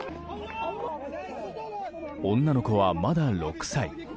女の子は、まだ６歳。